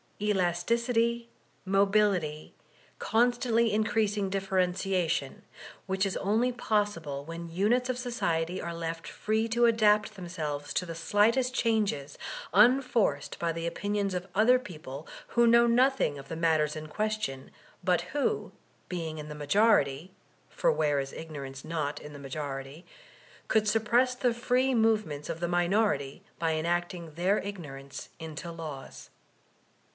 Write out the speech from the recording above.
^ elasticity, mobility, constantly increasing differentiation; whidi is only possible when units of society are left free to adapt themselves to the slightest changes, unforced by the opinions of other people who know nothing of the matters in question, but who, being in the majority (for where is ignorance not in the majority?) could suppress the free movements of the minority by enacting their ignorance into laws.